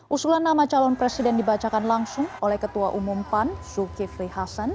usulan nama calon presiden dibacakan langsung oleh ketua umum pan zulkifli hasan